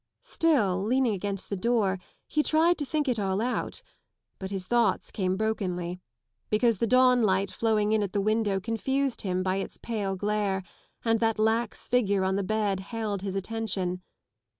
Still leaning against the door, he tried to think it all out : but his thoughts came brokenly, because the dawnlight flowing in at the window confused him by its pale glare and that lax figure on the bed held his attention.